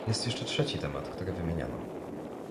Jest jeszcze trzeci temat, który wymieniano